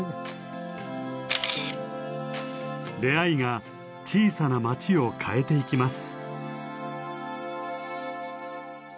出会いが小さな町を変えていきます。